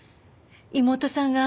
妹さんが。